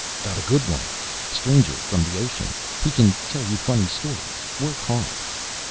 "Got a good one. Stranger from the ocean. He can tell you funny stories, work hard."